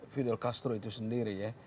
fidel castro itu sendiri ya